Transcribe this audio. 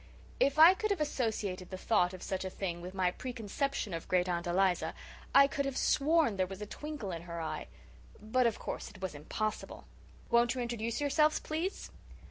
If I could have associated the thought of such a thing with my preconception of Great aunt Eliza I could have sworn there was a twinkle in her eye. But of course it was impossible. "Won't you introduce yourselves, please?"